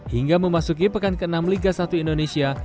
hingga memasuki pekan ke enam liga satu indonesia